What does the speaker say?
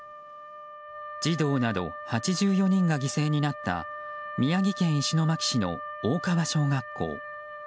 児童など８４人が犠牲になった宮城県石巻市の大川小学校。